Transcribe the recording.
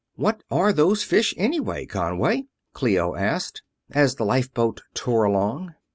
"What are those fish, anyway, Conway?" Clio asked, as the lifeboat tore along.